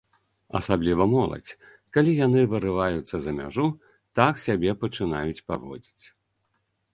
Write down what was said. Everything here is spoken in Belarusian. Асабліва моладзь, калі яны вырываюцца за мяжу, так сябе пачынаюць паводзіць.